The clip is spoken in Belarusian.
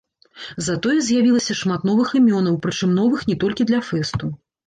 Затое з'явілася шмат новых імёнаў, прычым новых не толькі для фэсту.